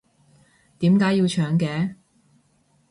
點解要搶嘅？